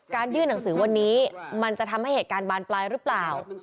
ยื่นหนังสือวันนี้มันจะทำให้เหตุการณ์บานปลายหรือเปล่า